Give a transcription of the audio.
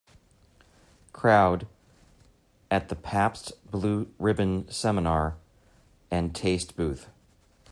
Crowd at the Pabst Blue Ribbon seminar and taste booth.